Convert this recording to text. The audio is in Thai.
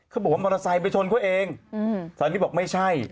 เขาบอกว่ามอเตอร์ไซค์ไปชนเขาเองสาธิตบอกไม่ใช่